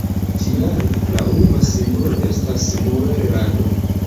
Tial, la urba simbolo estas muel-rado.